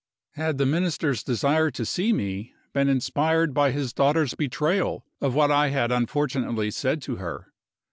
Had the Minister's desire to see me been inspired by his daughter's betrayal of what I had unfortunately said to her?